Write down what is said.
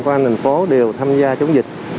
qua nền phố đều tham gia chống dịch